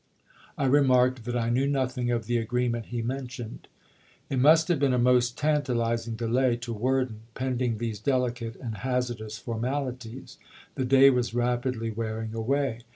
I remarked that I knew nothing of the agreement he mentioned." It must have been a most tantalizing delay to Worden pending these delicate and hazardous for malities ; the day was rapidly wearing away.